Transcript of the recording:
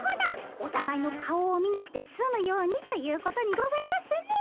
おたがいの顔を見なくてすむようにということにございますね。